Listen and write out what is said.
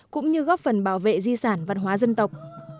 cũng như góp phần bảo vệ di sản văn hóa dân tộc